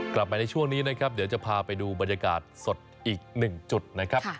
กลับมาในช่วงนี้นะครับเดี๋ยวจะพาไปดูบรรยากาศสดอีกหนึ่งจุดนะครับ